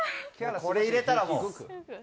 これ入れたらもう。